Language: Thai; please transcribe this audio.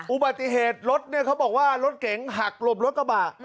อุบัติเหตุรถเนี่ยเขาบอกว่ารถเก๋งหักหลบรถกระบะ